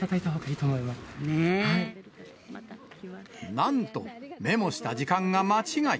なんとメモした時間が間違い。